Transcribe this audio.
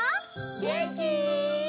げんき？